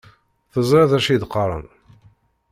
Teẓriḍ d acu i d-qqaren..